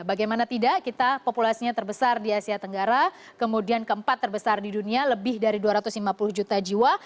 bagaimana tidak kita populasinya terbesar di asia tenggara kemudian keempat terbesar di dunia lebih dari dua ratus lima puluh juta jiwa